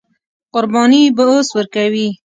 قرباني به اوس ورکوي.